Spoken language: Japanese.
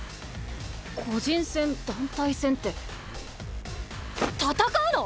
個人戦団体戦って戦うの⁉